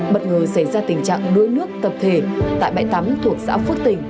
bất ngờ xảy ra tình trạng đuối nước tập thể tại bãi tắm thuộc xã phước tỉnh